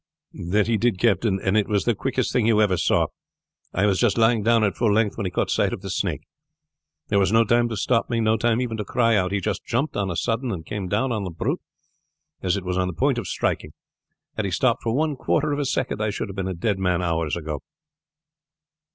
"That he did, captain; and it was the quickest thing you ever saw. I was just lying down at full length when he caught sight of the snake. There was no time to stop me; no time even to cry out. He just jumped on a sudden and came down on the brute as it was on the point of striking. Had he stopped for one quarter of a second I should have been a dead man hours ago."